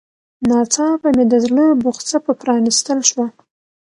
ناڅاپه مې د زړه بوخڅه په پرانيستل شوه.